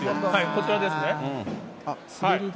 こちらですね。